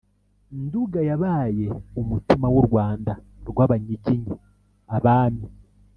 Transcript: - nduga yabaye umutima w'u rwanda rw'abanyiginya: abami